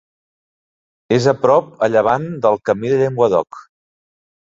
És a prop a llevant del Camí del Llenguadoc.